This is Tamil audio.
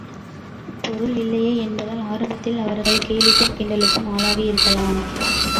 பொருள் இல்லையே என்பதால், ஆரம்பத்தில் அவர்கள் கேலிக்கும் கிண்டலுக்கும் ஆளாகி இருக்கலாம்.